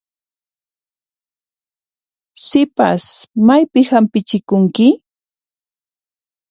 Sipas, maypin hampichikunki?